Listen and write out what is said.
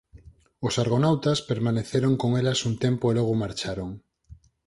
Os Argonautas permaneceron con elas un tempo e logo marcharon.